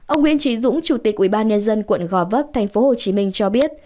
ông nguyễn trí dũng chủ tịch ubnd quận gò vấp tp hcm cho biết